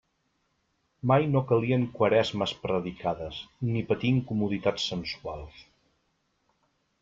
Mai no calien Quaresmes predicades, ni patir incomoditats sensuals.